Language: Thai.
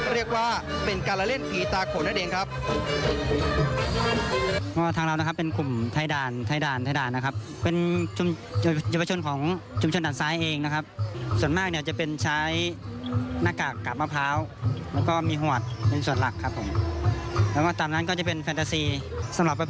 เรียกว่าเป็นการละเล่นผีตาโขนนั่นเองครับ